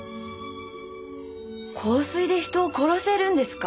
香水で人を殺せるんですか？